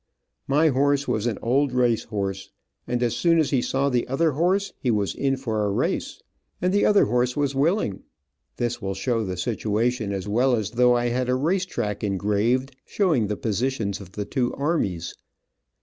My horse was an old race horse, and as soon as he saw the other horse, he was in for a race and the other horse was willing. This will show the situation as well as though I had a race track engraved, showing the positions of the two armies.